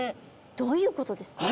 どういうことですか？